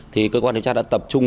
thì cơ quan điều tra đã tập trung